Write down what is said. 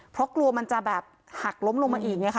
เพราะกลัวมันจะหักล้มลงมาอีก